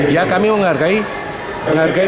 ya kami menghargai menghargai